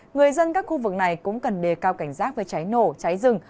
người dân các khu vực này cũng cần đề cao cảnh giác với cháy nổ cháy rừng